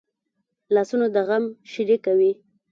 لاسونه د غم شریکه وي